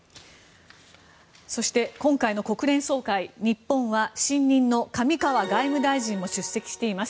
そして、今回の国連総会日本は、新任の上川外務大臣も出席しています。